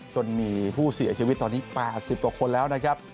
จนมีผู้เสียชีวิตตอนนี้๘๐กว่าคนแล้วนะครับ